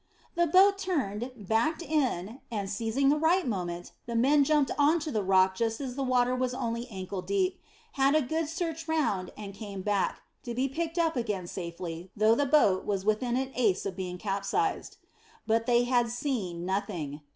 The boat was turned, backed in, and, seizing the right moment, the men jumped on to the rock just as the water was only ankle deep, had a good search round, and came back, to be picked up again safely, though the boat was within an ace of being capsized. But they had seen nothing.